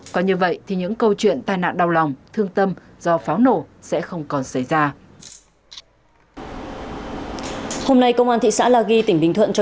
còn như vậy thì những câu chuyện tai nạn đau lòng thương tâm do pháo nổ sẽ không còn xảy ra